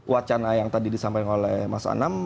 wacana yang tadi disampaikan oleh mas anam